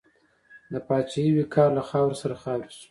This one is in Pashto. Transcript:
د پاچاهۍ وقار له خاورو سره خاورې شو.